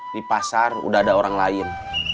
di pasar udah ada orang lain